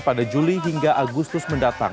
pada juli hingga agustus mendatang